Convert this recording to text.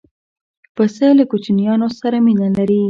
پسه له کوچنیانو سره مینه لري.